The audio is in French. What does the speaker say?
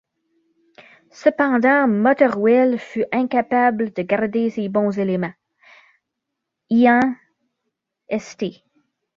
Cependant, Motherwell fut incapable de garder ses bons éléments - Ian St.